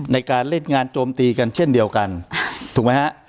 ในการเล่นงานโจมตีกันเช่นเดียวกันถูกไหมฮะ